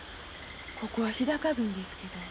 ここは日高郡ですけど。